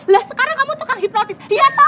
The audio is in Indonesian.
lah sekarang kamu tukang hipnotis iya tau